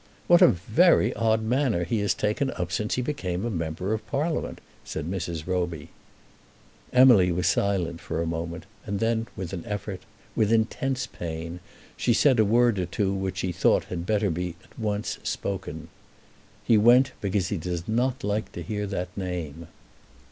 "What a very odd manner he has taken up since he became a member of Parliament," said Mrs. Roby. Emily was silent for a moment, and then with an effort, with intense pain, she said a word or two which she thought had better be at once spoken. "He went because he does not like to hear that name."